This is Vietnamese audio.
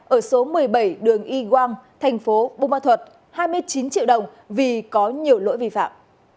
ở số một mươi bảy đường y quang thành phố bù ma thuật hai mươi chín triệu đồng vì có nhiều lỗi vi phạm